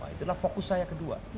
itulah fokus saya kedua